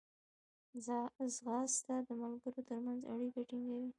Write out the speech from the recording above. ځغاسته د ملګرو ترمنځ اړیکې ټینګوي